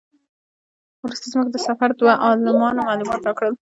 وروسته زموږ د سفر دوو عالمانو معلومات راکړل.